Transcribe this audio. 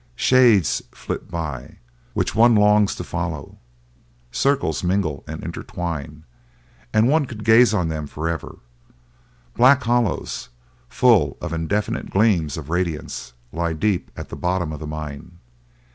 Shades flit by, which one longs to follow; circles mingle and intertwine, and one could gaze on them forever; black hollows, full of indefinite gleams of radiance, lie deep at the bottom of the mine.